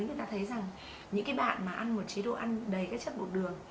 người ta thấy rằng những cái bạn mà ăn một chế độ ăn đầy các chất bột đường